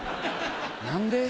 何で？